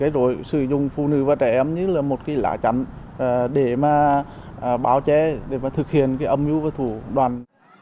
rồi sử dụng phụ nữ và trẻ em như là một cái lã chắn để mà báo chế để mà thực hiện âm nhu và thủ đoàn